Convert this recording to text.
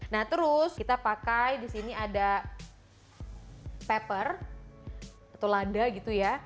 nah terus kita pakai di sini ada pepper atau lada gitu ya